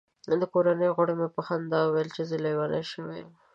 د کورنۍ غړو مې په خندا ویل چې زه لیونی شوی یم.